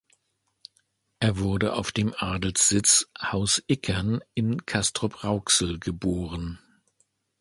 Er wurde auf dem Adelssitz Haus Ickern in Castrop-Rauxel geboren.